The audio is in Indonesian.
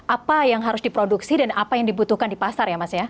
apa yang harus diproduksi dan apa yang dibutuhkan di pasar ya mas ya